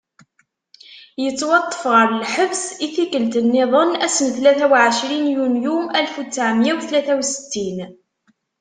Yettwaṭṭef ɣer lḥebs i tikkelt-nniden ass n tlata u ɛecrin yunyu alef u ttɛemya u tlata u settin.